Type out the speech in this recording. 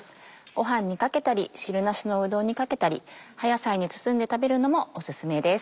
ご飯にかけたり汁なしのうどんにかけたり葉野菜に包んで食べるのもオススメです。